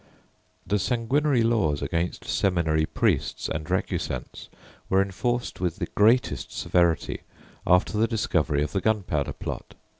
] The sanguinary laws against seminary priests and "recusants" were enforced with the greatest severity after the discovery of the Gunpowder Plot.